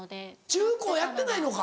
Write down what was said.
中・高やってないのか。